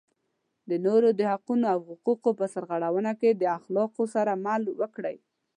د نورو د حقونو او حقوقو په سرغړونه کې د اخلاقو سره عمل وکړئ.